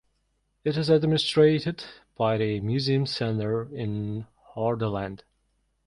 It is administrated by the Museum Centre in Hordaland.